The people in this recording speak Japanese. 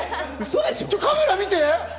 カメラ見て。